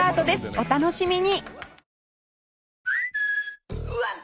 お楽しみに